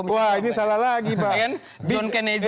wah ini salah lagi pak